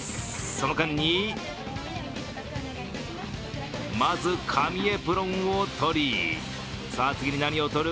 その間に、まず紙エプロンを取り、さあ次に何を取る？